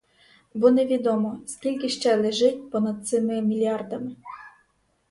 Бо не відомо, скільки ще лежить понад цими мільярдами.